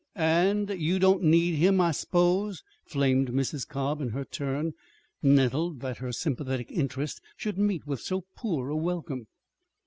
"And you don't need him, I s'pose," flamed Mrs. Cobb, in her turn, nettled that her sympathetic interest should meet with so poor a welcome.